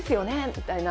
みたいな。